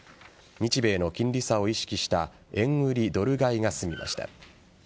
日米の金利差を意識した円売りドル買いが進みました。